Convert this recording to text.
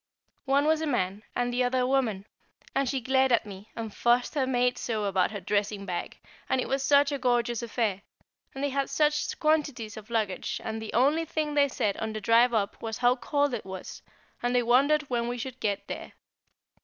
One was a man, and the other a woman, and she glared at me, and fussed her maid so about her dressing bag, and it was such a gorgeous affair, and they had such quantities of luggage, and the only thing they said on the drive up was how cold it was, and they wondered when we should get there.